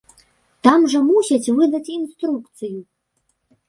Там жа мусяць выдаць інструкцыю.